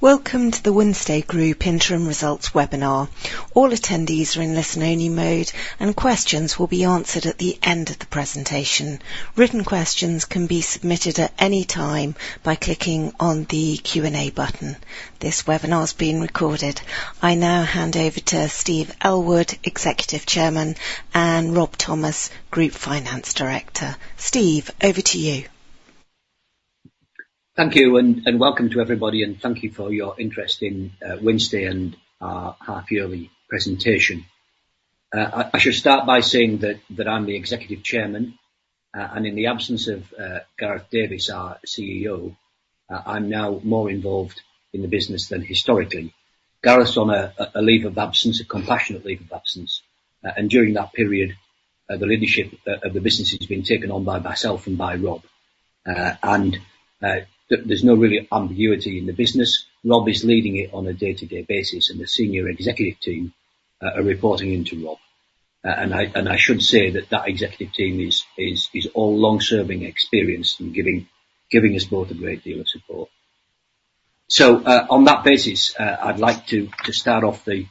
Welcome to the Wynnstay Group Interim Results Webinar. All attendees are in listen-only mode, and questions will be answered at the end of the presentation. Written questions can be submitted at any time by clicking on the Q&A button. This webinar is being recorded. I now hand over to Steve Ellwood, Executive Chairman, and Rob Thomas, Group Finance Director. Steve, over to you. Thank you, and welcome to everybody, and thank you for your interest in Wynnstay and our half-yearly presentation. I should start by saying that I'm the Executive Chairman, and in the absence of Gareth Davies, our CEO, I'm now more involved in the business than historically. Gareth's on a leave of absence, a compassionate leave of absence, and during that period, the leadership of the business has been taken on by myself and by Rob. There's no real ambiguity in the business. Rob is leading it on a day-to-day basis, and the senior executive team are reporting into Rob. I should say that that executive team is all long-serving, experienced and giving us both a great deal of support. So, on that basis, I'd like to start off the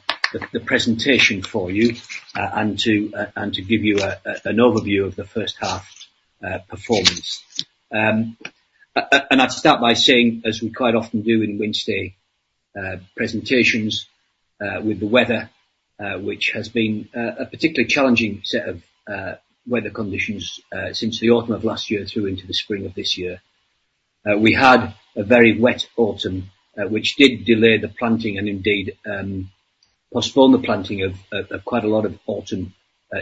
presentation for you, and to give you an overview of the first half performance. I'd start by saying, as we quite often do in Wynnstay presentations, with the weather, which has been a particularly challenging set of weather conditions since the autumn of last year through into the spring of this year. We had a very wet autumn, which did delay the planting and indeed, postpone the planting of quite a lot of autumn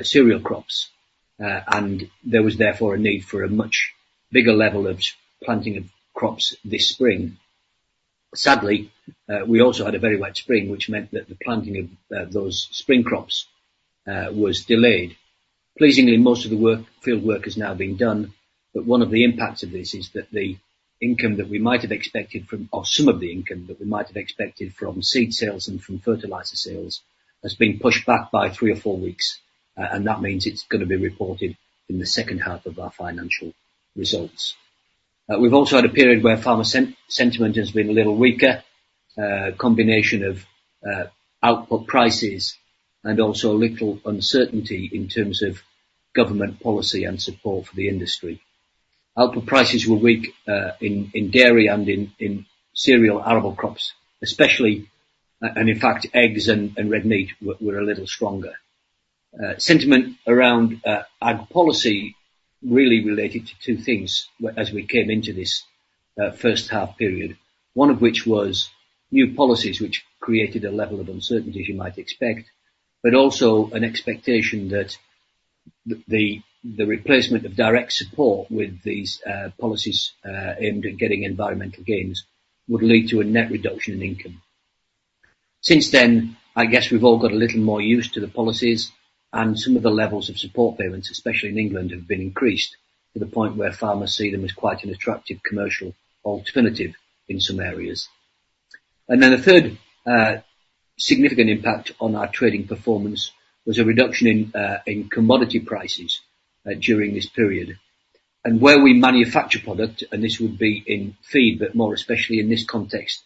cereal crops. And there was therefore a need for a much bigger level of planting of crops this spring. Sadly, we also had a very wet spring, which meant that the planting of those spring crops was delayed. Pleasingly, most of the field work has now been done, but one of the impacts of this is that the income that we might have expected from or some of the income that we might have expected from seed sales and from fertilizer sales has been pushed back by three or four weeks, and that means it's gonna be reported in the second half of our financial results. We've also had a period where farmer sentiment has been a little weaker, combination of output prices and also a little uncertainty in terms of government policy and support for the industry. Output prices were weak in dairy and in cereal, arable crops especially, and in fact, eggs and red meat were a little stronger. Sentiment around ag policy really related to two things as we came into this first half period. One of which was new policies, which created a level of uncertainty as you might expect, but also an expectation that the replacement of direct support with these policies aimed at getting environmental gains would lead to a net reduction in income. Since then, I guess we've all got a little more used to the policies, and some of the levels of support payments, especially in England, have been increased to the point where farmers see them as quite an attractive commercial alternative in some areas. And then the third, significant impact on our trading performance was a reduction in commodity prices during this period. And where we manufacture product, and this would be in feed, but more especially in this context,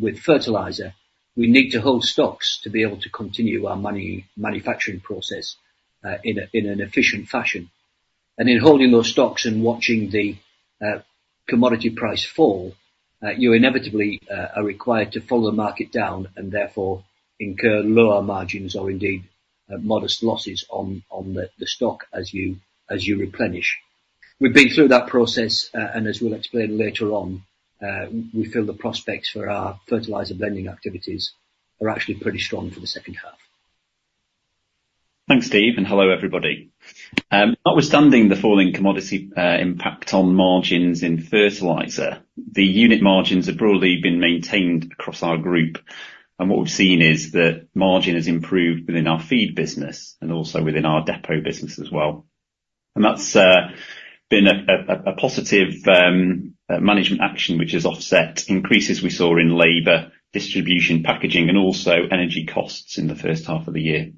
with fertilizer, we need to hold stocks to be able to continue our manufacturing process in an efficient fashion. And in holding those stocks and watching the commodity price fall, you inevitably are required to follow the market down and therefore incur lower margins or indeed modest losses on the stock as you replenish. We've been through that process, and as we'll explain later on, we feel the prospects for our fertilizer blending activities are actually pretty strong for the second half. Thanks, Steve, and hello, everybody. Notwithstanding the falling commodity impact on margins in fertilizer, the unit margins have broadly been maintained across our group, and what we've seen is that margin has improved within our feed business and also within our depot business as well. And that's been a positive management action, which has offset increases we saw in labor, distribution, packaging, and also energy costs in the first half of the year.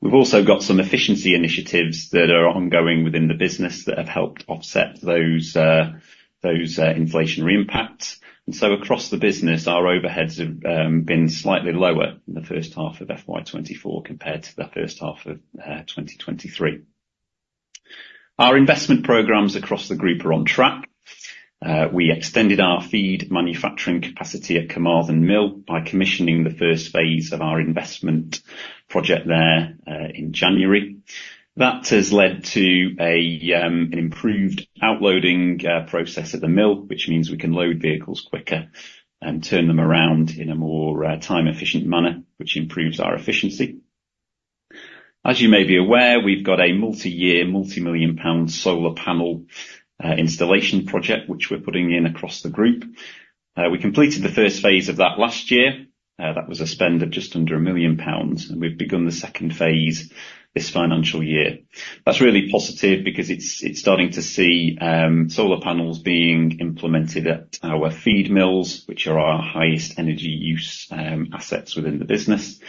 We've also got some efficiency initiatives that are ongoing within the business that have helped offset those inflationary impacts. And so across the business, our overheads have been slightly lower in the first half of FY 2024 compared to the first half of 2023. Our investment programs across the group are on track. We extended our feed manufacturing capacity at Carmarthen Mill by commissioning the first phase of our investment project there, in January. That has led to an improved outloading process at the mill, which means we can load vehicles quicker and turn them around in a more time-efficient manner, which improves our efficiency. As you may be aware, we've got a multi-year, multi-million-GBP solar panel installation project, which we're putting in across the group. We completed the first phase of that last year. That was a spend of just under 1 million pounds, and we've begun the second phase this financial year. That's really positive because it's starting to see solar panels being implemented at our feed mills, which are our highest energy use assets within the business.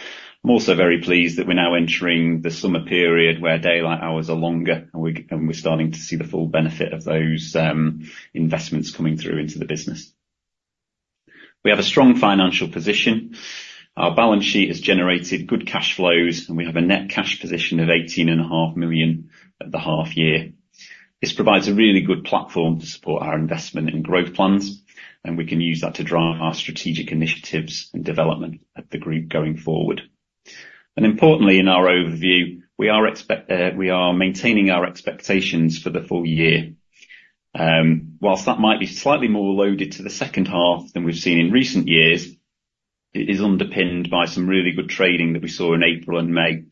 I'm also very pleased that we're now entering the summer period, where daylight hours are longer, and we're, and we're starting to see the full benefit of those, investments coming through into the business. We have a strong financial position. Our balance sheet has generated good cash flows, and we have a net cash position of 18.5 million at the half year. This provides a really good platform to support our investment and growth plans, and we can use that to drive our strategic initiatives and development of the group going forward. And importantly, in our overview, we are expect, we are maintaining our expectations for the full year. Whilst that might be slightly more loaded to the second half than we've seen in recent years, it is underpinned by some really good trading that we saw in April and May.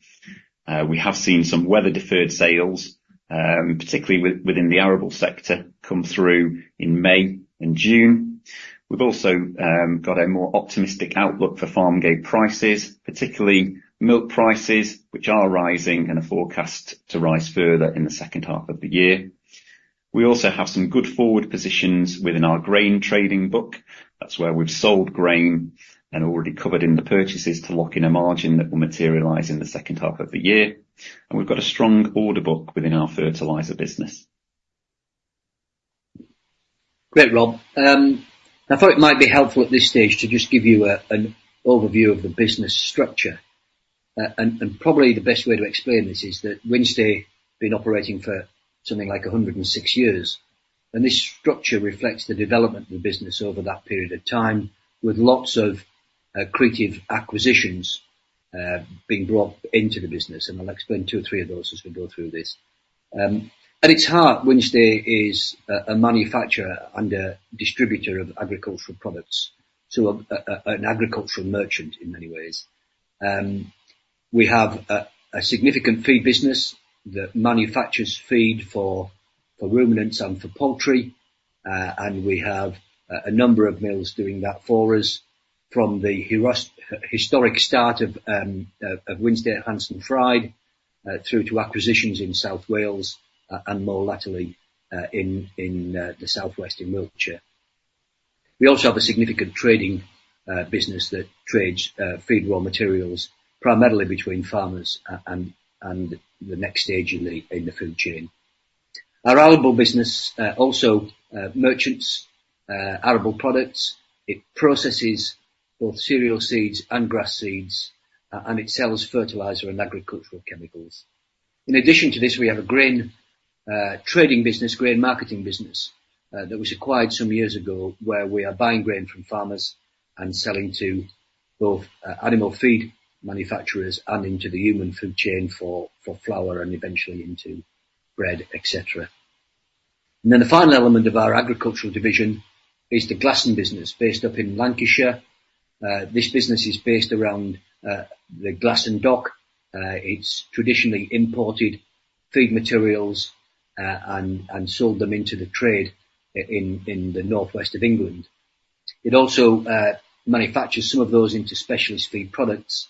We have seen some weather-deferred sales, particularly within the arable sector, come through in May and June. We've also got a more optimistic outlook for farm gate prices, particularly milk prices, which are rising and are forecast to rise further in the second half of the year. We also have some good forward positions within our grain trading book. That's where we've sold grain and already covered in the purchases to lock in a margin that will materialize in the second half of the year, and we've got a strong order book within our fertilizer business. Great, Rob. I thought it might be helpful at this stage to just give you an overview of the business structure. And probably the best way to explain this is that Wynnstay have been operating for something like 106 years, and this structure reflects the development of the business over that period of time, with lots of creative acquisitions being brought into the business, and I'll explain two or three of those as we go through this. At its heart, Wynnstay is a manufacturer and a distributor of agricultural products, so an agricultural merchant in many ways. We have a significant feed business that manufactures feed for ruminants and for poultry, and we have a number of mills doing that for us from the historic start of Wynnstay at Llansantffraid through to acquisitions in South Wales and more latterly in the southwest in Wiltshire. We also have a significant trading business that trades feed raw materials, primarily between farmers and the next stage in the food chain. Our arable business also merchants arable products. It processes both cereal seeds and grass seeds and it sells fertilizer and agricultural chemicals. In addition to this, we have a grain, trading business, grain marketing business, that was acquired some years ago, where we are buying grain from farmers and selling to both, animal feed manufacturers and into the human food chain for flour and eventually into bread, et cetera. And then the final element of our agricultural division is the Glasson business, based up in Lancashire. This business is based around the Glasson Dock. It's traditionally imported feed materials, and sold them into the trade in the North West of England. It also manufactures some of those into specialist feed products.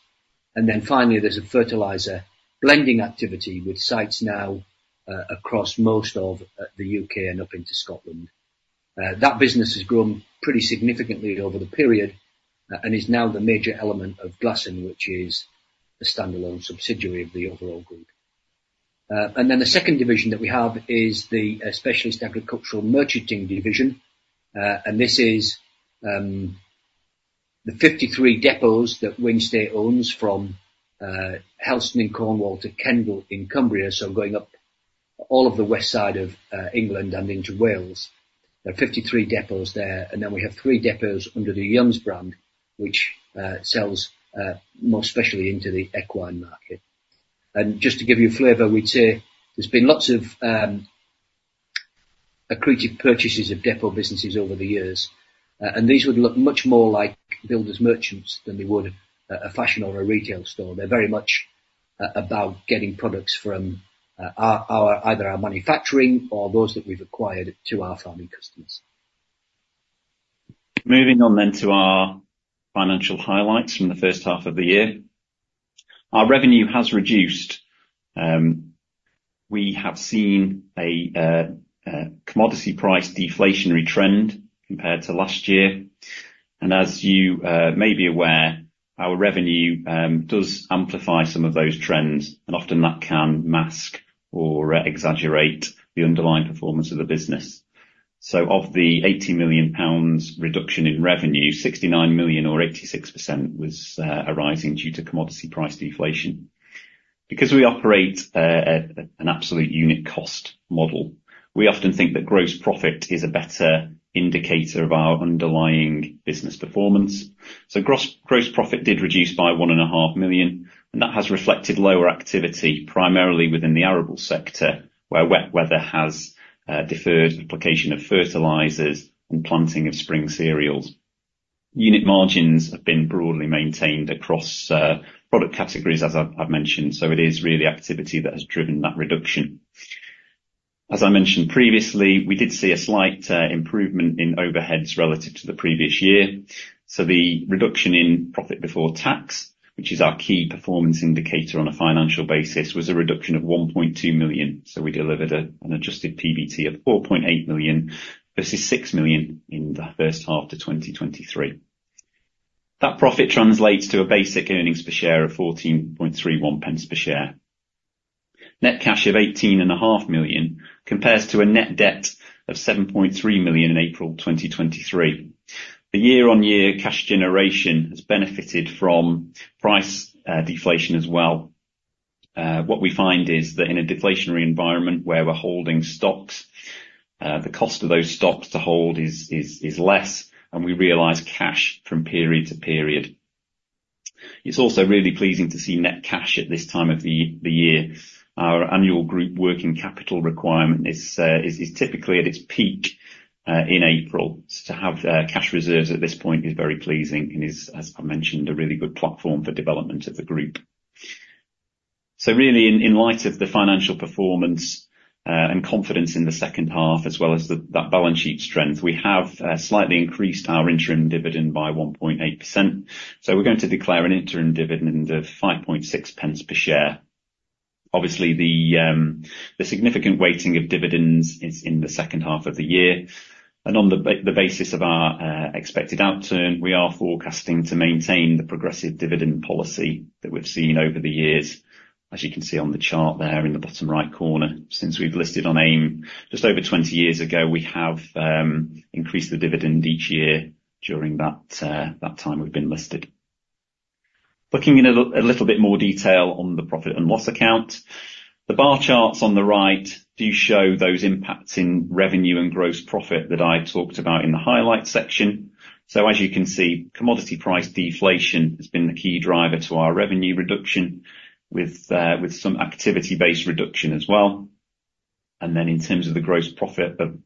And then finally, there's a fertilizer blending activity, with sites now across most of the U.K. and up into Scotland. That business has grown pretty significantly over the period, and is now the major element of Glasson, which is a standalone subsidiary of the overall group. Then the second division that we have is the Specialist Agricultural Merchandising division, and this is the 53 depots that Wynnstay owns, from Helston in Cornwall to Kendal in Cumbria, so going up all of the west side of England and into Wales. There are 53 depots there, and then we have three depots under the Youngs brand, which sells more specially into the equine market. And just to give you a flavor, we'd say there's been lots of accreted purchases of depot businesses over the years, and these would look much more like builders merchants than they would a fashion or a retail store. They're very much about getting products from our manufacturing or those that we've acquired to our farming customers. Moving on then to our financial highlights from the first half of the year. Our revenue has reduced. We have seen a commodity price deflationary trend compared to last year, and as you may be aware, our revenue does amplify some of those trends, and often that can mask or exaggerate the underlying performance of the business. So of the 80 million pounds reduction in revenue, 69 million or 86% was arising due to commodity price deflation. Because we operate an absolute unit cost model, we often think that gross profit is a better indicator of our underlying business performance. So gross profit did reduce by 1.5 million, and that has reflected lower activity, primarily within the arable sector, where wet weather has deferred application of fertilizers and planting of spring cereals. Unit margins have been broadly maintained across product categories, as I've mentioned, so it is really activity that has driven that reduction. As I mentioned previously, we did see a slight improvement in overheads relative to the previous year. So the reduction in profit before tax, which is our key performance indicator on a financial basis, was a reduction of 1.2 million. So we delivered an adjusted PBT of 4.8 million versus 6 million in the first half to 2023. That profit translates to a basic earnings per share of 14.31 pence per share. Net cash of 18.5 million compares to a net debt of 7.3 million in April 2023. The year-on-year cash generation has benefited from price deflation as well. What we find is that in a deflationary environment where we're holding stocks, the cost of those stocks to hold is less, and we realize cash from period to period. It's also really pleasing to see net cash at this time of the year. Our annual group working capital requirement is typically at its peak in April. So to have cash reserves at this point is very pleasing and is, as I mentioned, a really good platform for development of the group. So really, in light of the financial performance and confidence in the second half, as well as that balance sheet strength, we have slightly increased our interim dividend by 1.8%. So we're going to declare an interim dividend of 5.6 pence per share. Obviously, the significant weighting of dividends is in the second half of the year, and on the basis of our expected downturn, we are forecasting to maintain the progressive dividend policy that we've seen over the years. As you can see on the chart there in the bottom right corner, since we've listed on AIM, just over 20 years ago, we have increased the dividend each year during that time we've been listed. Looking in a little bit more detail on the profit and loss account, the bar charts on the right do show those impacts in revenue and gross profit that I talked about in the highlights section. So as you can see, commodity price deflation has been the key driver to our revenue reduction with some activity-based reduction as well. Then in terms of the gross profit of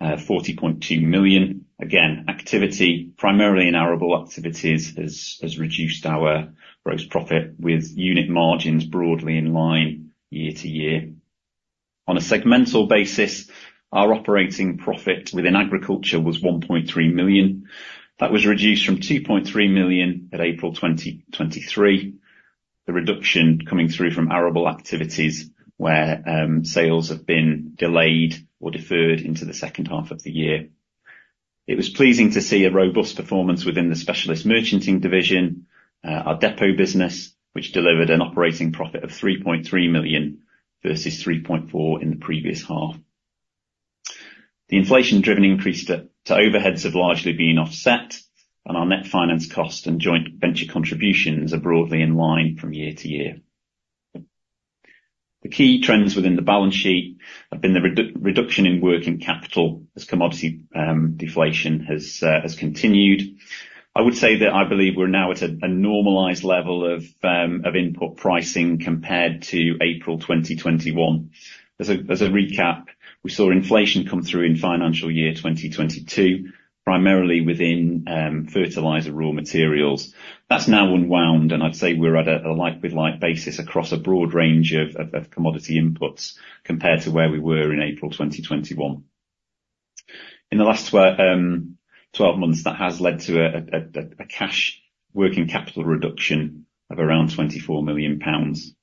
40.2 million, again, activity, primarily in arable activities, has reduced our gross profit with unit margins broadly in line year-to-year. On a segmental basis, our operating profit within agriculture was 1.3 million. That was reduced from 2.3 million at April 2023, the reduction coming through from arable activities, where sales have been delayed or deferred into the second half of the year. It was pleasing to see a robust performance within the specialist merchanting division, our depot business, which delivered an operating profit of 3.3 million versus 3.4 million in the previous half. The inflation-driven increase to overheads has largely been offset, and our net finance cost and joint venture contributions are broadly in line from year-to-year. The key trends within the balance sheet have been the reduction in working capital as commodity deflation has continued. I would say that I believe we're now at a normalized level of input pricing compared to April 2021. As a recap, we saw inflation come through in financial year 2022, primarily within fertilizer raw materials. That's now unwound, and I'd say we're at a like-with-like basis across a broad range of commodity inputs compared to where we were in April 2021. In the last 12 months, that has led to a cash working capital reduction of around 24 million pounds,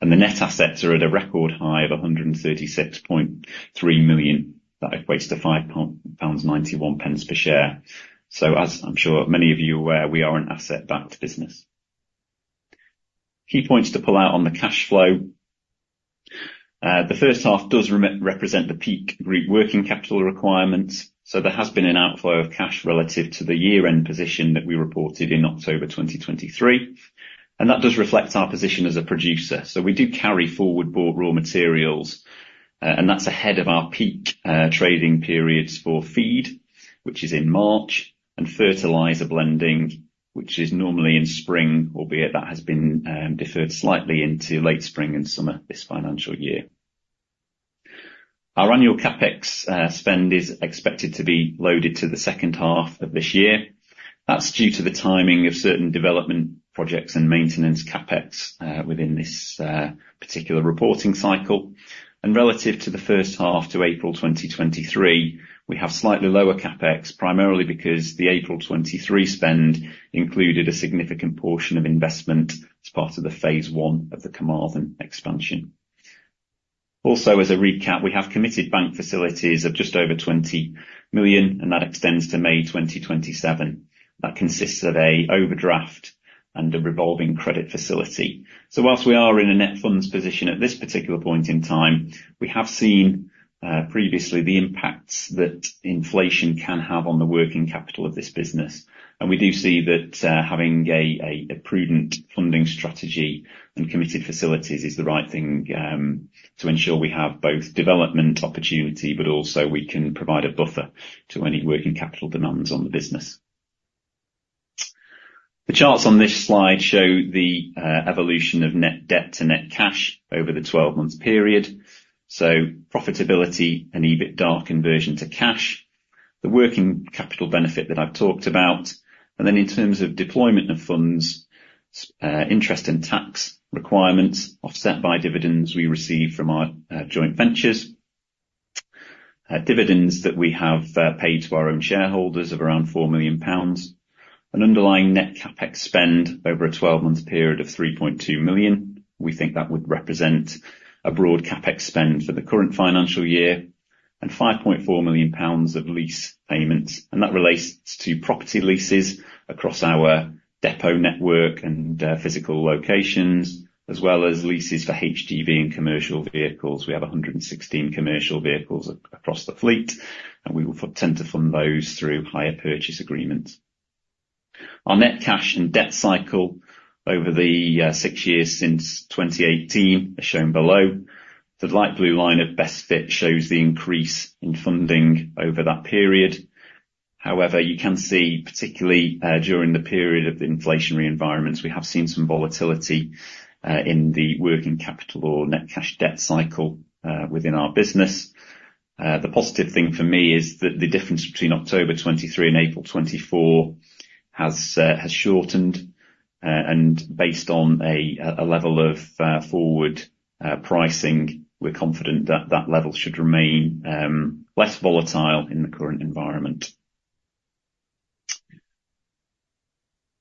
and the net assets are at a record high of 136.3 million. That equates to 5.91 pounds per share. So as I'm sure many of you are aware, we are an asset-backed business. Key points to pull out on the cash flow. The first half does represent the peak group working capital requirements, so there has been an outflow of cash relative to the year-end position that we reported in October 2023, and that does reflect our position as a producer. So we do carry forward-bought raw materials, and that's ahead of our peak trading periods for feed, which is in March, and fertilizer blending, which is normally in spring, albeit that has been deferred slightly into late spring and summer this financial year. Our annual CapEx spend is expected to be loaded to the second half of this year. That's due to the timing of certain development projects and maintenance CapEx within this particular reporting cycle. And relative to the first half to April 2023, we have slightly lower CapEx, primarily because the April 2023 spend included a significant portion of investment as part of the phase I of the Carmarthen expansion. Also, as a recap, we have committed bank facilities of just over 20 million, and that extends to May 2027. That consists of an overdraft and a revolving credit facility. So whilst we are in a net funds position at this particular point in time, we have seen previously the impacts that inflation can have on the working capital of this business. And we do see that having a prudent funding strategy and committed facilities is the right thing to ensure we have both development opportunity, but also we can provide a buffer to any working capital demands on the business. The charts on this slide show the evolution of net debt to net cash over the 12-month period, so profitability and EBITDA conversion to cash, the working capital benefit that I've talked about, and then in terms of deployment of funds, interest and tax requirements offset by dividends we receive from our joint ventures, dividends that we have paid to our own shareholders of around 4 million pounds, an underlying net CapEx spend over a 12-month period of 3.2 million. We think that would represent a broad CapEx spend for the current financial year and 5.4 million pounds of lease payments, and that relates to property leases across our depot network and physical locations, as well as leases for HGV and commercial vehicles. We have 116 commercial vehicles across the fleet, and we will tend to fund those through hire purchase agreements. Our net cash and debt cycle over the six years since 2018, as shown below, the light blue line of best fit shows the increase in funding over that period. However, you can see, particularly during the period of the inflationary environments, we have seen some volatility in the working capital or net cash debt cycle within our business. The positive thing for me is that the difference between October 2023 and April 2024 has shortened, and based on a level of forward pricing, we're confident that that level should remain less volatile in the current environment.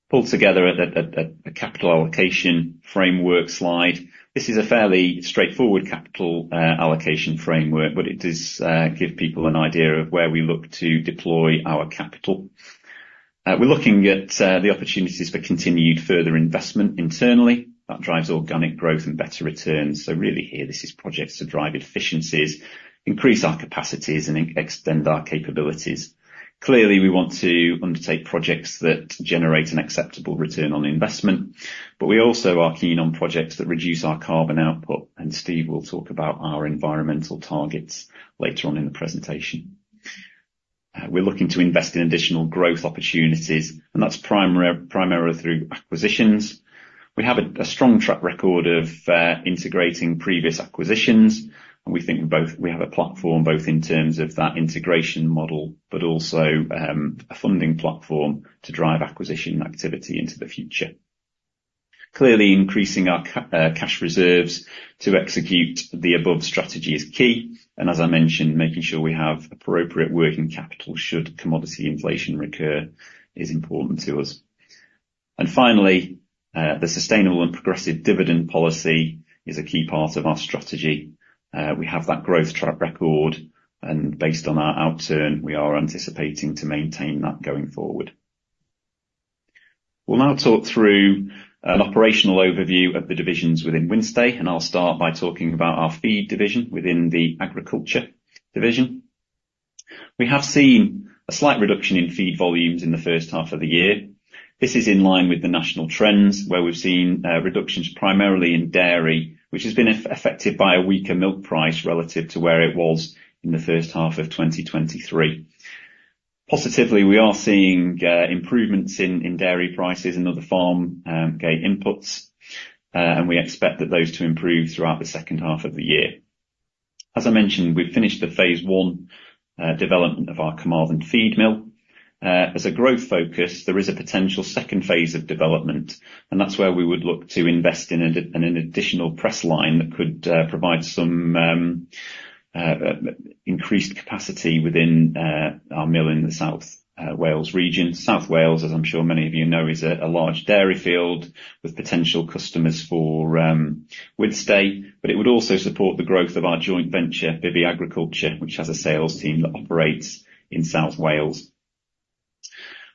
Pulled together a capital allocation framework slide. This is a fairly straightforward capital allocation framework, but it does give people an idea of where we look to deploy our capital. We're looking at the opportunities for continued further investment internally. That drives organic growth and better returns. So really here, this is projects to drive efficiencies, increase our capacities, and extend our capabilities. Clearly, we want to undertake projects that generate an acceptable return on investment, but we also are keen on projects that reduce our carbon output, and Steve will talk about our environmental targets later on in the presentation. We're looking to invest in additional growth opportunities, and that's primarily through acquisitions. We have a strong track record of integrating previous acquisitions, and we think we have a platform, both in terms of that integration model, but also a funding platform to drive acquisition activity into the future. Clearly, increasing our cash reserves to execute the above strategy is key, and as I mentioned, making sure we have appropriate working capital, should commodity inflation recur, is important to us. And finally, the sustainable and progressive dividend policy is a key part of our strategy. We have that growth track record, and based on our outturn, we are anticipating to maintain that going forward. We'll now talk through an operational overview of the divisions within Wynnstay, and I'll start by talking about our feed division within the agriculture division. We have seen a slight reduction in feed volumes in the first half of the year. This is in line with the national trends, where we've seen reductions primarily in dairy, which has been affected by a weaker milk price relative to where it was in the first half of 2023. Positively, we are seeing improvements in dairy prices and other farm gate inputs, and we expect those to improve throughout the second half of the year. As I mentioned, we've finished the phase one development of our Carmarthen feed mill. As a growth focus, there is a potential second phase of development, and that's where we would look to invest in an additional press line that could provide some increased capacity within our mill in the South Wales region. South Wales, as I'm sure many of you know, is a large dairy field with potential customers for Wynnstay, but it would also support the growth of our joint venture, Bibby Agriculture, which has a sales team that operates in South Wales.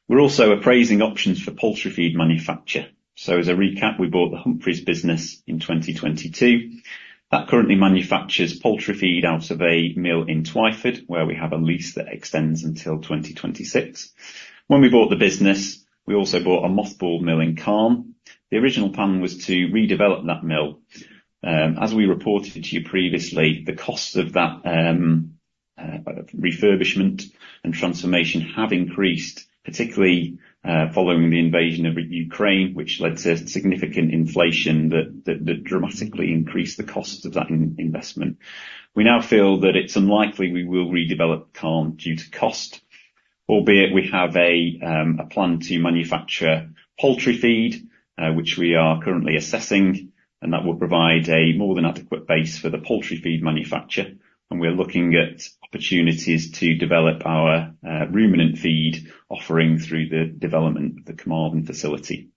We're also appraising options for poultry feed manufacture. So as a recap, we bought the Humphreys business in 2022. That currently manufactures poultry feed out of a mill in Twyford, where we have a lease that extends until 2026. When we bought the business, we also bought a mothball mill in Calne. The original plan was to redevelop that mill. As we reported to you previously, the cost of that refurbishment and transformation have increased, particularly following the invasion of Ukraine, which led to significant inflation that dramatically increased the cost of that investment. We now feel that it's unlikely we will redevelop Calne due to cost, albeit we have a plan to manufacture poultry feed, which we are currently assessing, and that will provide a more than adequate base for the poultry feed manufacture. We're looking at opportunities to develop our ruminant feed offering through the development of the Carmarthen facility.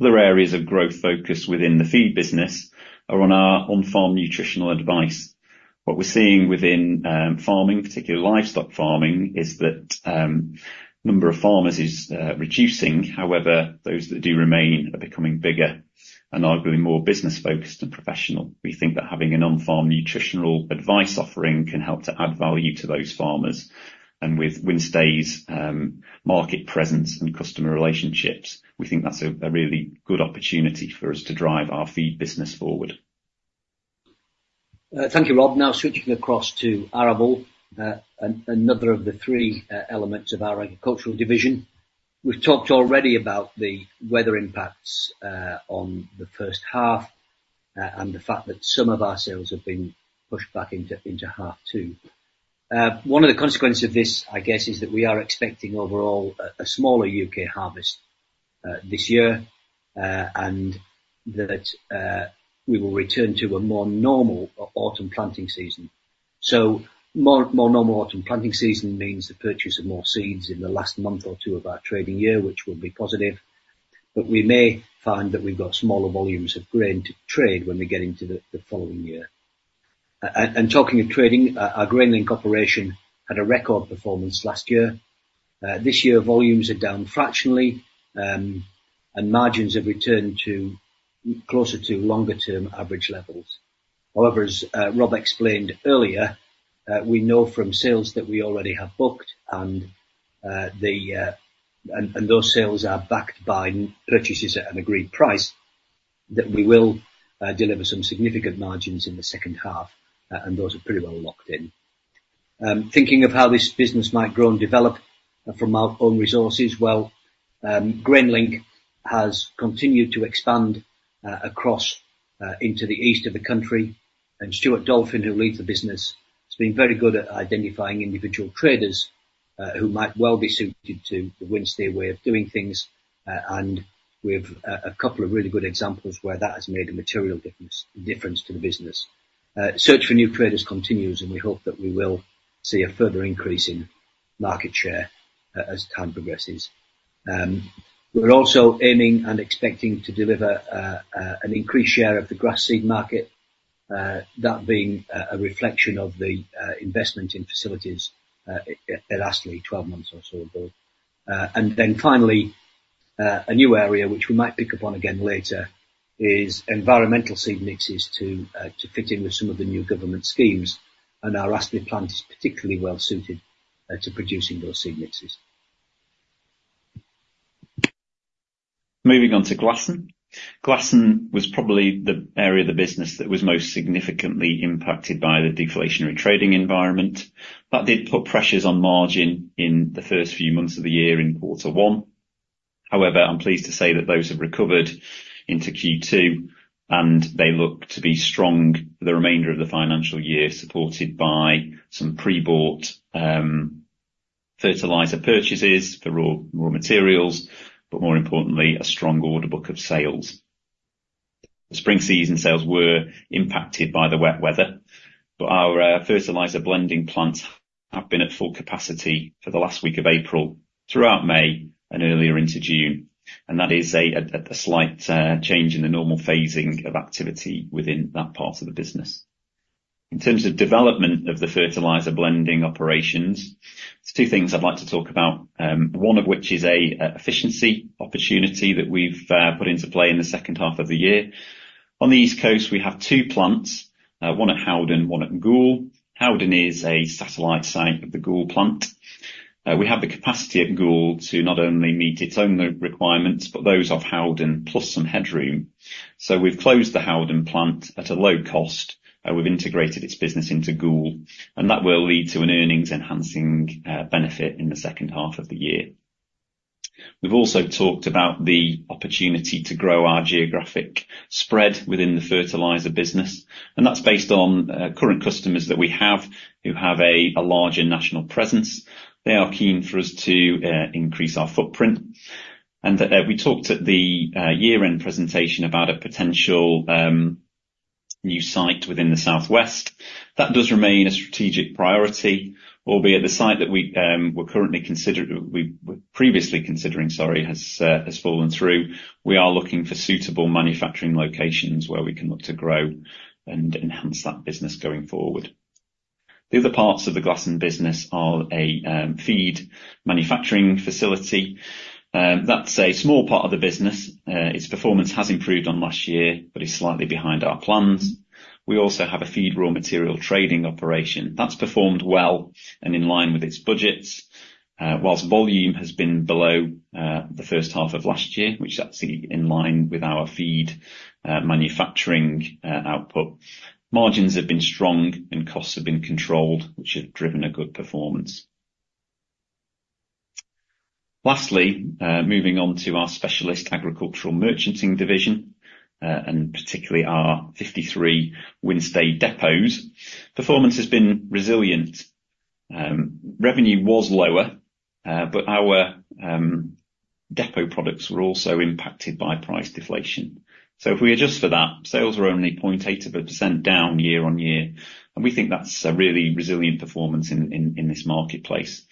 Other areas of growth focus within the feed business are on our on-farm nutritional advice. What we're seeing within farming, particularly livestock farming, is that number of farmers is reducing. However, those that do remain are becoming bigger and arguably more business-focused and professional. We think that having an on-farm nutritional advice offering can help to add value to those farmers. With Wynnstay's market presence and customer relationships, we think that's a really good opportunity for us to drive our feed business forward. Thank you, Rob. Now, switching across to Arable, another of the three elements of our agricultural division. We've talked already about the weather impacts on the first half, and the fact that some of our sales have been pushed back into half two. One of the consequences of this, I guess, is that we are expecting overall a smaller U.K. harvest this year, and that we will return to a more normal autumn planting season. So more normal autumn planting season means the purchase of more seeds in the last month or two of our trading year, which will be positive... but we may find that we've got smaller volumes of grain to trade when we get into the following year. And talking of trading, our GrainLink operation had a record performance last year. This year, volumes are down fractionally, and margins have returned to closer to longer-term average levels. However, as Rob explained earlier, we know from sales that we already have booked, and those sales are backed by purchases at an agreed price, that we will deliver some significant margins in the second half, and those are pretty well locked in. Thinking of how this business might grow and develop from our own resources, well, GrainLink has continued to expand across into the East of the country. Stuart Dolphin, who leads the business, has been very good at identifying individual traders who might well be suited to the Wynnstay way of doing things, and we have a couple of really good examples where that has made a material difference to the business. Search for new traders continues, and we hope that we will see a further increase in market share as time progresses. We're also aiming and expecting to deliver an increased share of the grass seed market, that being a reflection of the investment in facilities at Astley, 12 months or so ago. Finally, a new area, which we might pick up on again later, is environmental seed mixes to fit in with some of the new government schemes, and our Astley plant is particularly well suited to producing those seed mixes. Moving on to Glasson. Glasson was probably the area of the business that was most significantly impacted by the deflationary trading environment. That did put pressures on margin in the first few months of the year in quarter one. However, I'm pleased to say that those have recovered into Q2, and they look to be strong for the remainder of the financial year, supported by some pre-bought, fertilizer purchases for raw materials, but more importantly, a strong order book of sales. The spring season sales were impacted by the wet weather, but our fertilizer blending plants have been at full capacity for the last week of April, throughout May and earlier into June, and that is a slight change in the normal phasing of activity within that part of the business. In terms of development of the fertilizer blending operations, there's two things I'd like to talk about, one of which is a efficiency opportunity that we've put into play in the second half of the year. On the East Coast, we have two plants, one at Howden, one at Goole. Howden is a satellite site of the Goole plant. We have the capacity at Goole to not only meet its own requirements, but those of Howden, plus some headroom. So we've closed the Howden plant at a low cost, and we've integrated its business into Goole, and that will lead to an earnings enhancing benefit in the second half of the year. We've also talked about the opportunity to grow our geographic spread within the fertilizer business, and that's based on current customers that we have, who have a larger national presence. They are keen for us to increase our footprint, and we talked at the year-end presentation about a potential new site within the southwest. That does remain a strategic priority, albeit the site that we were previously considering has fallen through. We are looking for suitable manufacturing locations where we can look to grow and enhance that business going forward. The other parts of the Glasson business are a feed manufacturing facility. That's a small part of the business. Its performance has improved on last year, but is slightly behind our plans. We also have a feed raw material trading operation. That's performed well and in line with its budgets. Whilst volume has been below the first half of last year, which is actually in line with our feed manufacturing output. Margins have been strong, and costs have been controlled, which have driven a good performance. Lastly, moving on to our specialist agricultural merchanting division, and particularly our 53 Wynnstay depots. Performance has been resilient. Revenue was lower, but our depot products were also impacted by price deflation. So if we adjust for that, sales were only 0.8% down year-on-year, and we think that's a really resilient performance in this marketplace.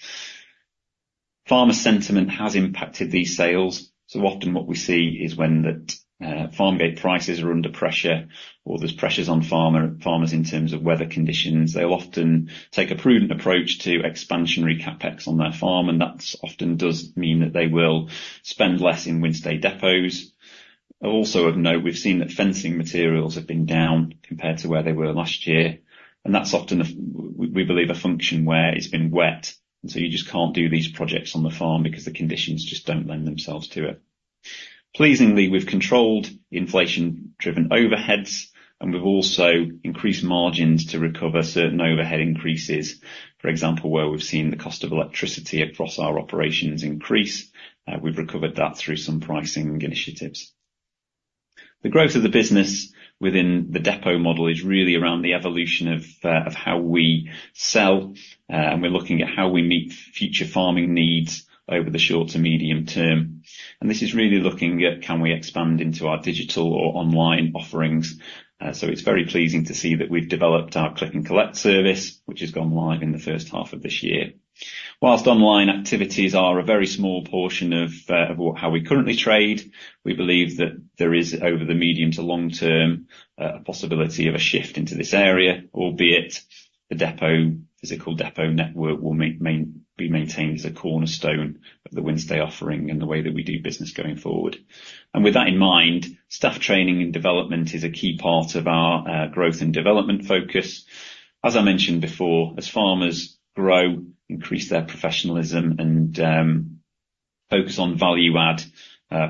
Farmer sentiment has impacted these sales, so often what we see is when the farm gate prices are under pressure, or there's pressures on farmers in terms of weather conditions, they'll often take a prudent approach to expansionary CapEx on their farm, and that's often does mean that they will spend less in Wynnstay depots. Also of note, we've seen that fencing materials have been down compared to where they were last year, and that's often a function we believe, where it's been wet, and so you just can't do these projects on the farm because the conditions just don't lend themselves to it. Pleasingly, we've controlled inflation-driven overheads, and we've also increased margins to recover certain overhead increases. For example, where we've seen the cost of electricity across our operations increase, we've recovered that through some pricing initiatives. The growth of the business within the depot model is really around the evolution of how we sell, and we're looking at how we meet future farming needs over the short to medium term. And this is really looking at, can we expand into our digital or online offerings? So it's very pleasing to see that we've developed our Click & Collect service, which has gone live in the first half of this year. While online activities are a very small portion of what how we currently trade, we believe that there is, over the medium to long term, a possibility of a shift into this area, albeit the depot, physical depot network will mainly be maintained as a cornerstone of the Wynnstay offering and the way that we do business going forward. And with that in mind, staff training and development is a key part of our growth and development focus. As I mentioned before, as farmers grow, increase their professionalism and, focus on value-add,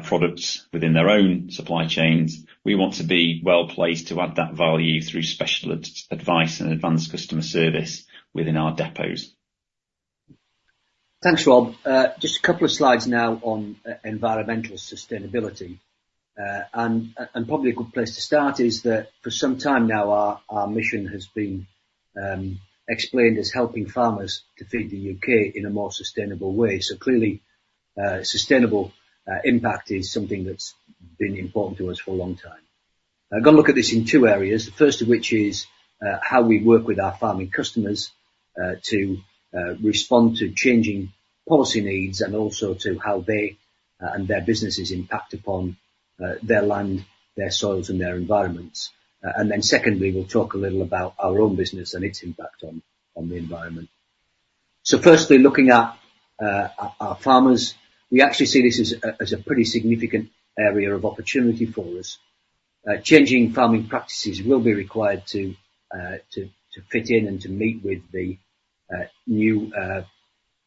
products within their own supply chains, we want to be well placed to add that value through specialist advice and advanced customer service within our depots. Thanks, Rob. Just a couple of slides now on environmental sustainability. Probably a good place to start is that for some time now, our mission has been explained as helping farmers to feed the U.K. in a more sustainable way. So clearly, sustainable impact is something that's been important to us for a long time. I'm gonna look at this in two areas, the first of which is how we work with our farming customers to respond to changing policy needs, and also to how they and their businesses impact upon their land, their soils, and their environments. And then secondly, we'll talk a little about our own business and its impact on the environment. So firstly, looking at our farmers, we actually see this as a pretty significant area of opportunity for us. Changing farming practices will be required to fit in and to meet with the new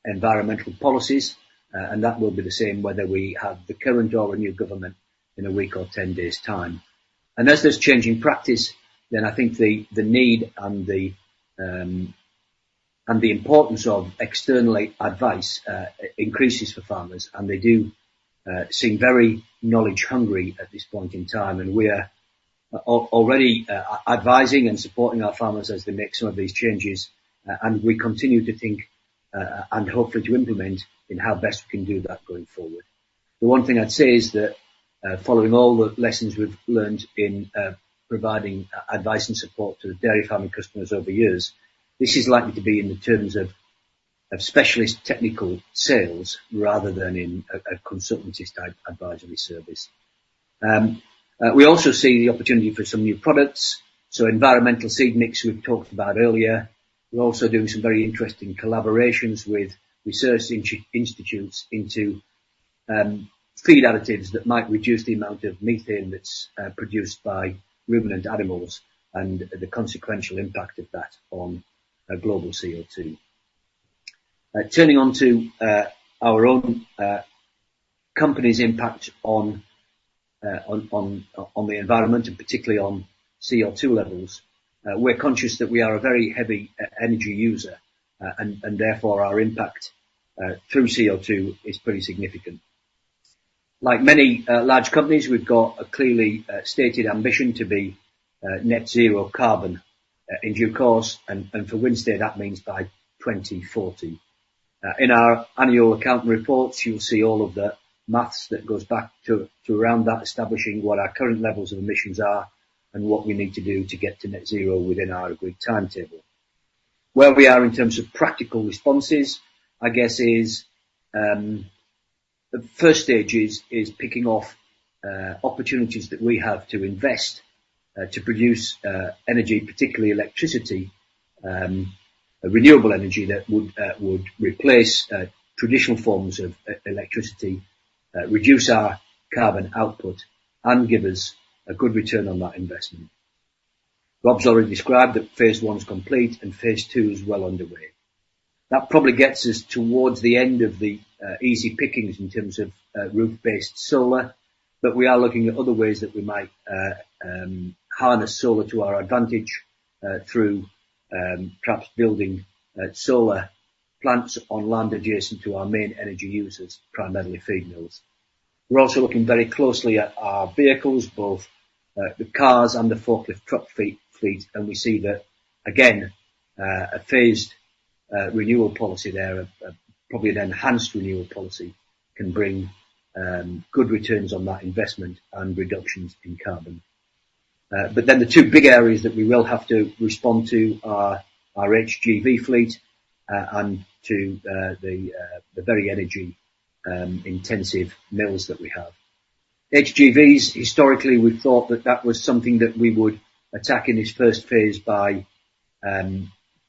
environmental policies. And that will be the same whether we have the current or a new government in a week or 10 days' time. As there's changing practice, then I think the need and the importance of external advice increases for farmers, and they do seem very knowledge hungry at this point in time. And we are already advising and supporting our farmers as they make some of these changes. And we continue to think and hopefully to implement in how best we can do that going forward. The one thing I'd say is that, following all the lessons we've learned in providing advice and support to the dairy farming customers over the years, this is likely to be in the terms of specialist technical sales rather than in a consultancy advisory service. We also see the opportunity for some new products. So environmental seed mix, we've talked about earlier. We're also doing some very interesting collaborations with research institutes into feed additives that might reduce the amount of methane that's produced by ruminant animals and the consequential impact of that on global CO2. Turning to our own company's impact on the environment, and particularly on CO2 levels. We're conscious that we are a very heavy energy user, and therefore, our impact through CO2 is pretty significant. Like many large companies, we've got a clearly stated ambition to be net zero carbon in due course, and for Wynnstay, that means by 2040. In our annual account reports, you'll see all of the maths that goes back to around that, establishing what our current levels of emissions are and what we need to do to get to net zero within our agreed timetable. Where we are in terms of practical responses, I guess, is the first stage is picking off opportunities that we have to invest to produce energy, particularly electricity. A renewable energy that would replace traditional forms of electricity, reduce our carbon output, and give us a good return on that investment. Rob's already described that phase one is complete and phase two is well underway. That probably gets us towards the end of the easy pickings in terms of roof-based solar, but we are looking at other ways that we might harness solar to our advantage through perhaps building solar plants on land adjacent to our main energy users, primarily feed mills. We're also looking very closely at our vehicles, both the cars and the forklift truck fleet, and we see that again a phased renewal policy there probably an enhanced renewal policy can bring good returns on that investment and reductions in carbon. But then the two big areas that we will have to respond to are our HGV fleet, and to the very energy intensive mills that we have. HGVs, historically, we've thought that that was something that we would attack in this first phase by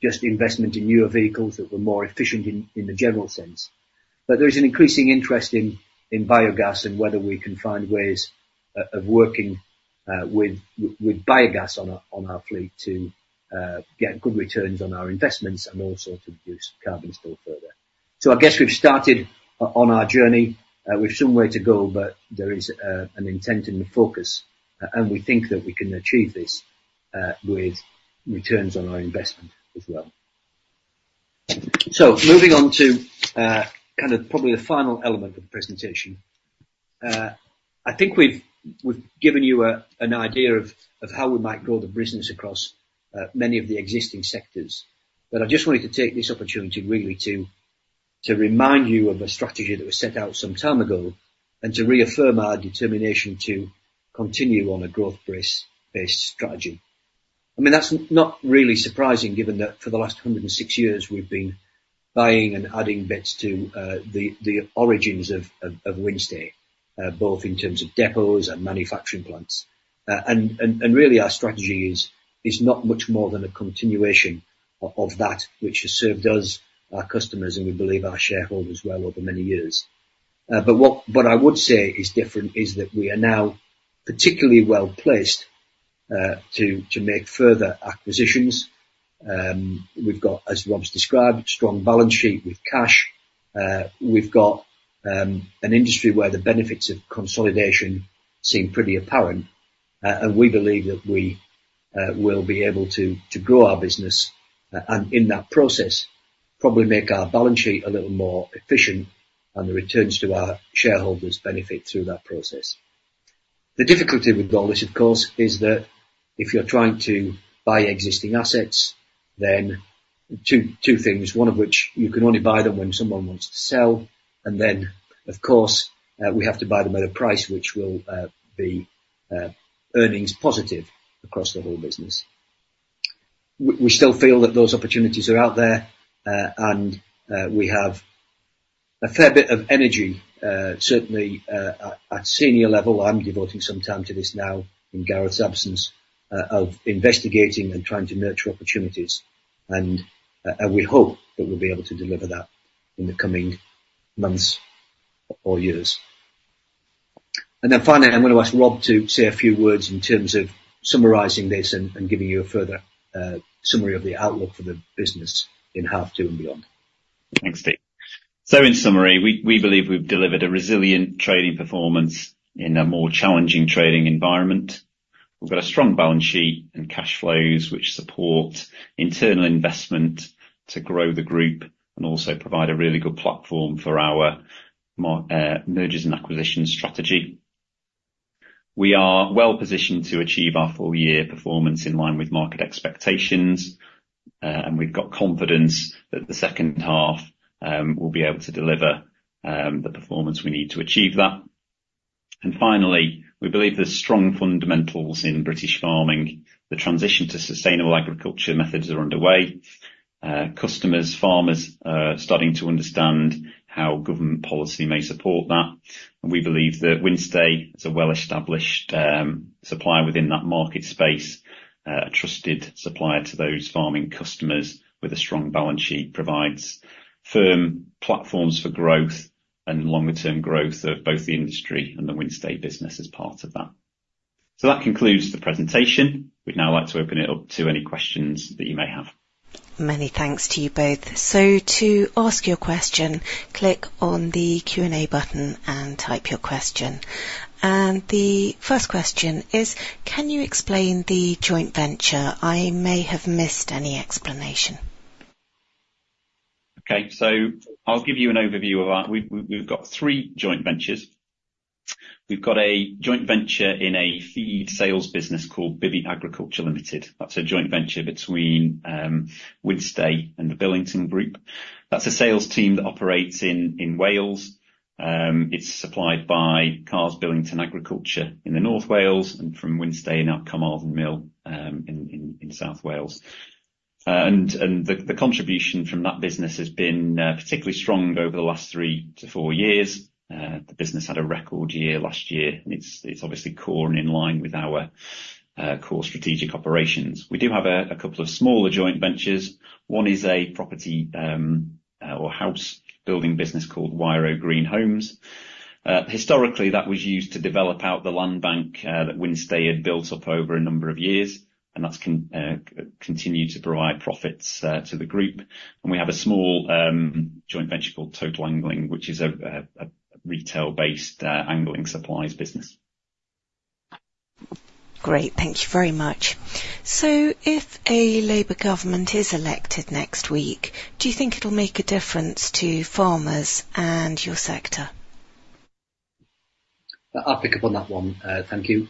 just investment in newer vehicles that were more efficient in the general sense. But there's an increasing interest in biogas and whether we can find ways of working with biogas on our fleet to get good returns on our investments and also to reduce carbon still further. So I guess we've started on our journey, we've some way to go, but there is an intent and a focus, and we think that we can achieve this with returns on our investment as well. So moving on to kind of probably the final element of the presentation. I think we've given you an idea of how we might grow the business across many of the existing sectors. But I just wanted to take this opportunity really to remind you of a strategy that was set out some time ago, and to reaffirm our determination to continue on a growth-based strategy. I mean, that's not really surprising given that for the last 106 years, we've been buying and adding bits to the origins of Wynnstay, both in terms of depots and manufacturing plants. And really, our strategy is not much more than a continuation of that which has served us, our customers, and we believe our shareholders well over many years. I would say is different, is that we are now particularly well-placed to make further acquisitions. We've got, as Rob's described, strong balance sheet with cash. We've got an industry where the benefits of consolidation seem pretty apparent. And we believe that we will be able to grow our business, and in that process, probably make our balance sheet a little more efficient, and the returns to our shareholders benefit through that process. The difficulty with all this, of course, is that if you're trying to buy existing assets, then two things, one of which, you can only buy them when someone wants to sell, and then, of course, we have to buy them at a price which will be earnings positive across the whole business. We still feel that those opportunities are out there, and we have a fair bit of energy, certainly, at senior level. I'm devoting some time to this now, in Gareth's absence, of investigating and trying to nurture opportunities, and we hope that we'll be able to deliver that in the coming months or years. And then finally, I'm gonna ask Rob to say a few words in terms of summarizing this and giving you a further summary of the outlook for the business in half two and beyond. Thanks, Steve. So in summary, we believe we've delivered a resilient trading performance in a more challenging trading environment. We've got a strong balance sheet and cash flows, which support internal investment to grow the group, and also provide a really good platform for our mergers and acquisitions strategy. We are well positioned to achieve our full year performance in line with market expectations, and we've got confidence that the second half will be able to deliver the performance we need to achieve that. And finally, we believe there's strong fundamentals in British farming. The transition to sustainable agriculture methods are underway. Customers, farmers, are starting to understand how government policy may support that. We believe that Wynnstay is a well-established supplier within that market space, a trusted supplier to those farming customers, with a strong balance sheet, provides firm platforms for growth and longer term growth of both the industry and the Wynnstay business as part of that. That concludes the presentation. We'd now like to open it up to any questions that you may have. Many thanks to you both. To ask your question, click on the Q&A button and type your question. The first question is: Can you explain the joint venture? I may have missed any explanation. Okay. So I'll give you an overview of our—we've got three joint ventures. We've got a joint venture in a feed sales business called Bibby Agriculture Limited. That's a joint venture between Wynnstay and the Billington Group. That's a sales team that operates in Wales. It's supplied by Carr's Billington Agriculture in North Wales and from Wynnstay and our Carmarthen Mill in South Wales. And the contribution from that business has been particularly strong over the last three to four years. The business had a record year last year, and it's obviously core and in line with our core strategic operations. We do have a couple of smaller joint ventures. One is a property or house building business called Wyre Green Homes. Historically, that was used to develop out the land bank that Wynnstay had built up over a number of years, and that's continued to provide profits to the group. And we have a small joint venture called Total Angling, which is a retail-based angling supplies business. Great. Thank you very much. So if a Labour government is elected next week, do you think it'll make a difference to farmers and your sector? I'll pick up on that one. Thank you.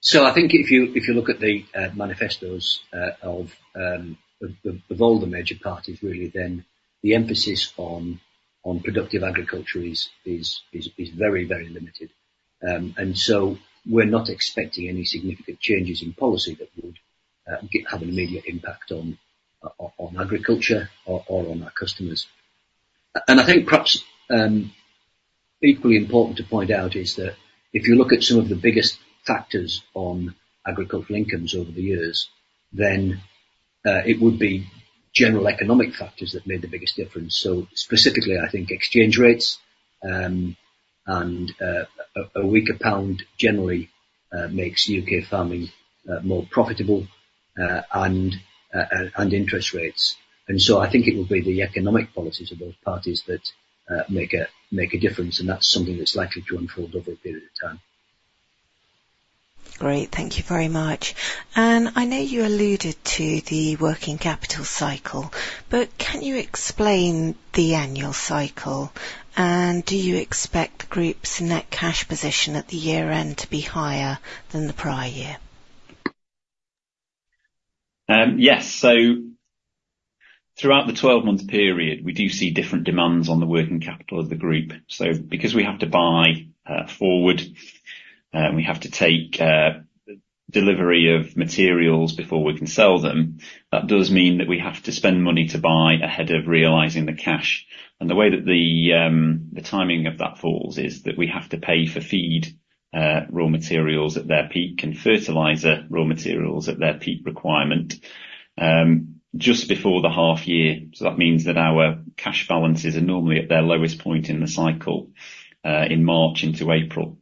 So I think if you look at the manifestos of all the major parties, really, then the emphasis on productive agriculture is very, very limited. And so we're not expecting any significant changes in policy that would have an immediate impact on agriculture or on our customers. And I think perhaps equally important to point out is that if you look at some of the biggest factors on agricultural incomes over the years, then it would be general economic factors that made the biggest difference. So specifically, I think exchange rates and a weaker pound generally makes U.K. farming more profitable and interest rates. And so I think it will be the economic policies of those parties that make a difference, and that's something that's likely to unfold over a period of time. Great. Thank you very much. And I know you alluded to the working capital cycle, but can you explain the annual cycle? And do you expect the group's net cash position at the year-end to be higher than the prior year? Yes. So throughout the twelve-month period, we do see different demands on the working capital of the group. So because we have to buy forward, we have to take delivery of materials before we can sell them, that does mean that we have to spend money to buy ahead of realizing the cash. And the way that the timing of that falls is that we have to pay for feed raw materials at their peak, and fertilizer raw materials at their peak requirement just before the half year. So that means that our cash balances are normally at their lowest point in the cycle in March into April.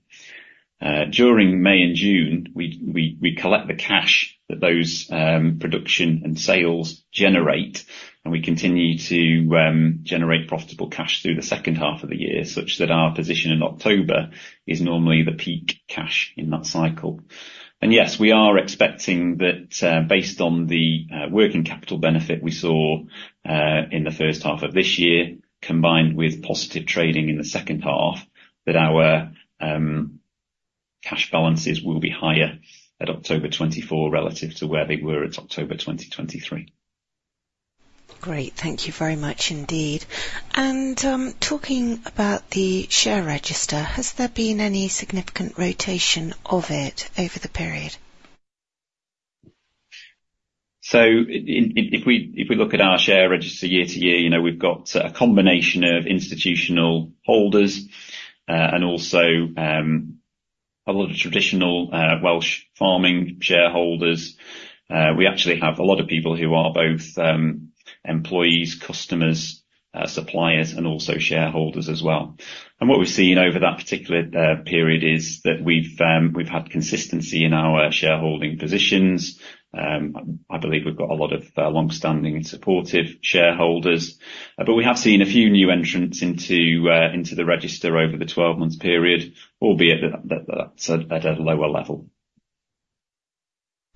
During May and June, we collect the cash that those production and sales generate, and we continue to generate profitable cash through the second half of the year, such that our position in October is normally the peak cash in that cycle. Yes, we are expecting that, based on the working capital benefit we saw in the first half of this year, combined with positive trading in the second half, that our cash balances will be higher at October 2024 relative to where they were at October 2023. Great. Thank you very much indeed. Talking about the share register, has there been any significant rotation of it over the period? So in, if we look at our share register year to year, you know, we've got a combination of institutional holders, and also a lot of traditional Welsh farming shareholders. We actually have a lot of people who are both employees, customers, suppliers, and also shareholders as well. And what we've seen over that particular period is that we've had consistency in our shareholding positions. I believe we've got a lot of long-standing and supportive shareholders, but we have seen a few new entrants into the register over the 12 months period, albeit at a lower level.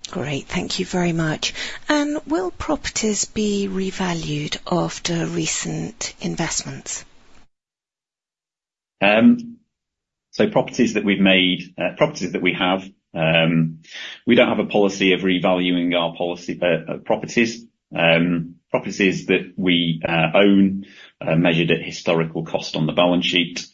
Great. Thank you very much. Will properties be revalued after recent investments? So properties that we have, we don't have a policy of revaluing our property. Properties that we own measured at historical cost on the balance sheet.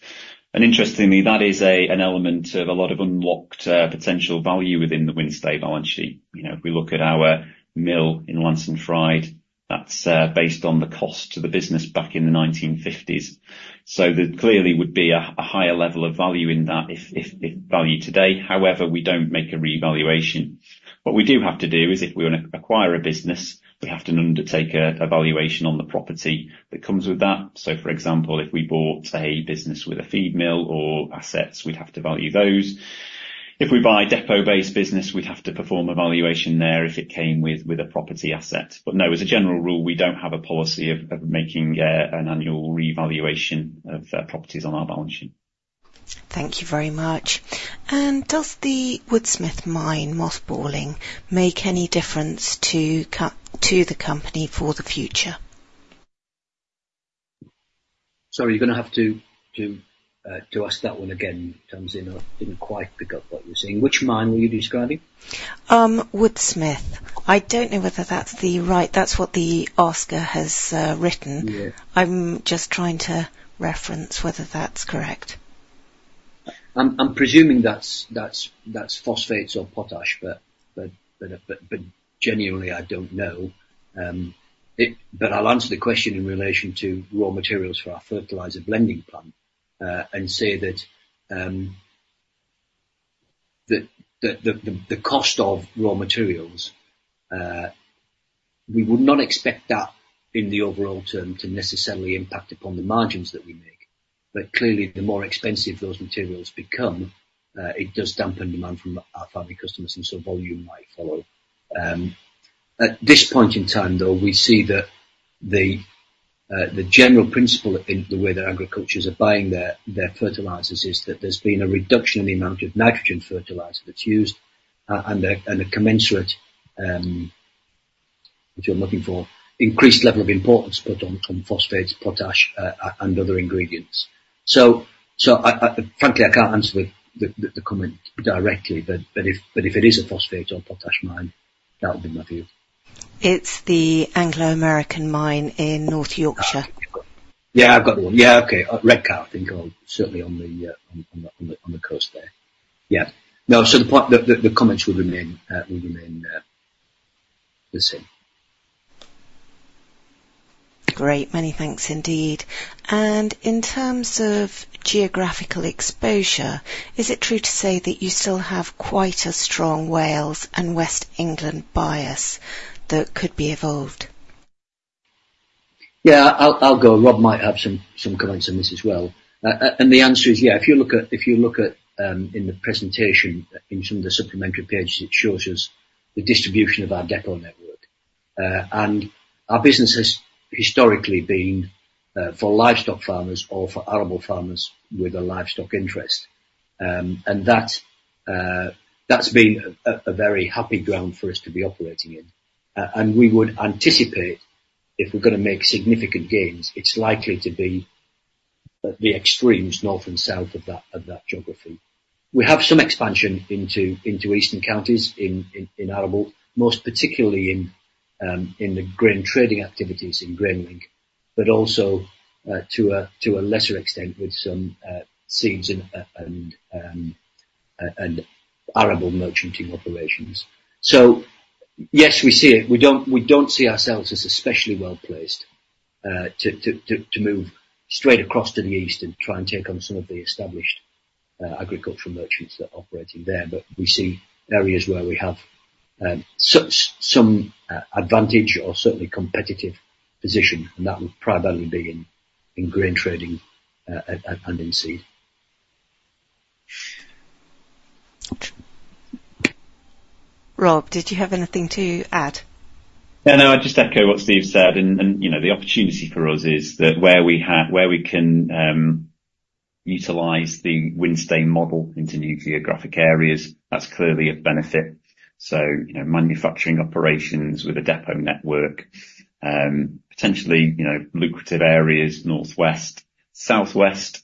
And interestingly, that is an element of a lot of unlocked potential value within the Wynnstay balance sheet. You know, if we look at our mill in Llangefni, that's based on the cost to the business back in the 1950s. So there clearly would be a higher level of value in that if valued today, however, we don't make a revaluation. What we do have to do is, if we want to acquire a business, we have to undertake a valuation on the property that comes with that. So for example, if we bought a business with a feed mill or assets, we'd have to value those. If we buy a depot-based business, we'd have to perform a valuation there if it came with a property asset. But no, as a general rule, we don't have a policy of making an annual revaluation of properties on our balance sheet. Thank you very much. Does the Woodsmith Mine mothballing make any difference to the company for the future? Sorry, you're gonna have to ask that one again, Tamsin. I didn't quite pick up what you were saying. Which mine were you describing? Woodsmith. I don't know whether that's the right... That's what the asker has written. Yeah. I'm just trying to reference whether that's correct. I'm presuming that's phosphates or potash, but genuinely, I don't know. But I'll answer the question in relation to raw materials for our fertilizer blending plant, and say that the cost of raw materials we would not expect that in the overall term to necessarily impact upon the margins that we make. But clearly, the more expensive those materials become, it does dampen demand from our farming customers, and so volume might follow. At this point in time, though, we see that the general principle in the way that agriculturists are buying their fertilizers is that there's been a reduction in the amount of nitrogen fertilizer that's used, and a commensurate, what you're looking for, increased level of importance put on phosphates, potash, and other ingredients. So, frankly, I can't answer the comment directly, but if it is a phosphate or a potash mine, that would be my view. It's the Anglo American mine in North Yorkshire. Yeah, I've got it. Yeah, okay. Redcar, I think, or certainly on the coast there. Yeah. No, so the point, the comments will remain the same. Great. Many thanks indeed. In terms of geographical exposure, is it true to say that you still have quite a strong Wales and West England bias that could be evolved? Yeah, I'll go. Rob might have some comments on this as well. The answer is yeah. If you look at the presentation, in some of the supplementary pages, it shows the distribution of our depot network. Our business has historically been for livestock farmers or for arable farmers with a livestock interest. That's been a very happy ground for us to be operating in. We would anticipate if we're gonna make significant gains, it's likely to be at the extremes, north and south of that geography. We have some expansion into eastern counties, in arable, most particularly in the grain trading activities in GrainLink. but also, to a lesser extent, with some seeds and arable merchanting operations. So yes, we see it. We don't see ourselves as especially well-placed to move straight across to the East and try and take on some of the established agricultural merchants that are operating there. But we see areas where we have some advantage or certainly competitive position, and that would primarily be in grain trading and in seed. Rob, did you have anything to add? Yeah, no, I just echo what Steve said, and you know, the opportunity for us is that where we have—where we can utilize the Wynnstay model into new geographic areas, that's clearly of benefit. So, you know, manufacturing operations with a depot network, potentially, you know, lucrative areas, North West, South West,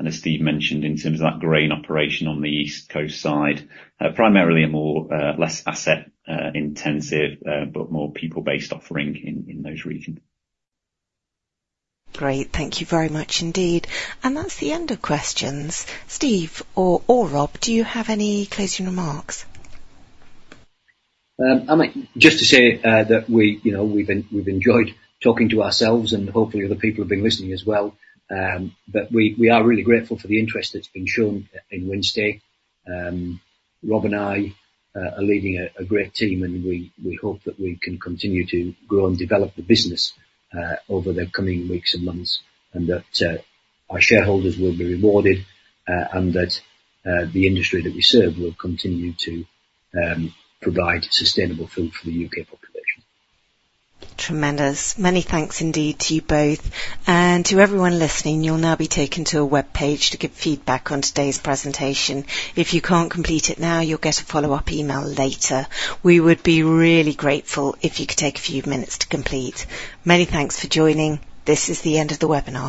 and as Steve mentioned, in terms of that grain operation on the East Coast side, primarily a more less asset intensive, but more people-based offering in those regions. Great. Thank you very much indeed. That's the end of questions. Steve or, or Rob, do you have any closing remarks? I mean, just to say, that we, you know, we've enjoyed talking to ourselves and hopefully other people have been listening as well. But we are really grateful for the interest that's been shown in Wynnstay. Rob and I are leading a great team, and we hope that we can continue to grow and develop the business over the coming weeks and months, and that our shareholders will be rewarded, and that the industry that we serve will continue to provide sustainable food for the U.K. population. Tremendous. Many thanks indeed to you both. To everyone listening, you'll now be taken to a webpage to give feedback on today's presentation. If you can't complete it now, you'll get a follow-up email later. We would be really grateful if you could take a few minutes to complete. Many thanks for joining. This is the end of the webinar.